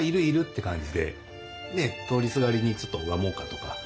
通りすがりにちょっと拝もうかとか。